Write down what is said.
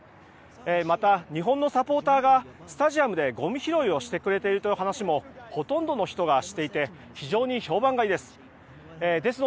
また日本のサポーターがスタジアムでごみ拾いをしてくれているという話もほとんどの人が知っていて非常に評判がいいです。